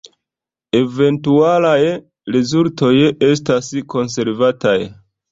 Eventualaj rezultoj estas konservataj.